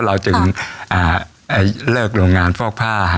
เราจึงเลิกโรงงานฟอกผ้า